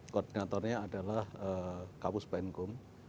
koordinatornya adalah kapus penkum